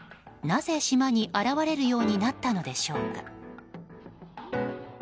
なぜ島に現れるようになったのでしょうか？